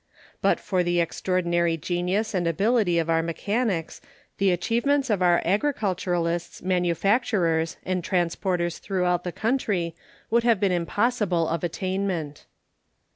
But for the extraordinary genius and ability of our mechanics, the achievements of our agriculturists, manufacturers, and transporters throughout the country would have been impossible of attainment.